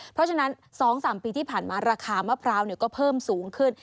เพราะฉะนั้น๒๓ปีที่ผ่านมาราคามะพร้าวก็เพิ่มสูงขึ้น